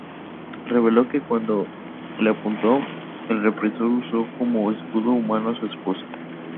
Reveló que, cuando le apuntó, el represor usó como escudo humano a su esposa.